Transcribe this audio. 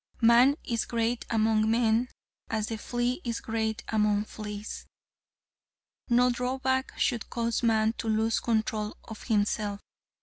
Man is great among men as the flea is great among fleas. No drawback should cause man to lose control of himself.